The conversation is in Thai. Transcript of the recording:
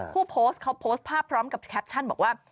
ผู้โพสต์เขาโพสต์ภาพพร้อมกับแคปชั่นบอกว่า